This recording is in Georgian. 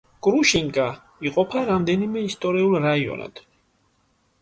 კრუშინკა იყოფა რამდენიმე ისტორიულ რაიონად.